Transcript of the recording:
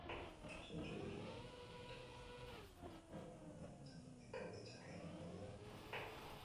Zeintzuk dira aldaketa klimatikoak gure planetarentzat ekar ditzakeen ondorioak?